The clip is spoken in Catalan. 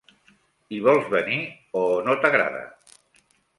Hi vols venir o no t'agrada?